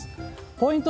ポイント